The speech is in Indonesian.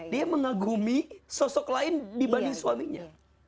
dia mengagumi sosok lain dibanding suaminya